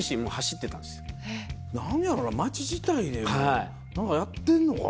何やろな街自体でもう何かやってんのかな。